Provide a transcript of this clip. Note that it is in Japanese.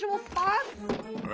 ・え？